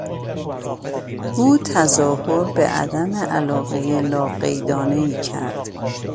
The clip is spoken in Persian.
او تظاهر به عدم علاقهی لاقیدانهای کرد.